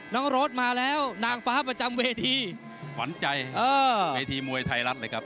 รถมาแล้วนางฟ้าประจำเวทีขวัญใจเวทีมวยไทยรัฐเลยครับ